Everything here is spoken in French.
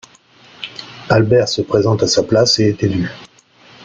Albert se présente à sa place et est élu.